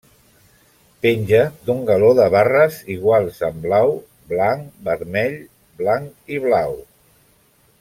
Penja d'un galó de barres iguals en blau, blanc, vermell, blanc i blau.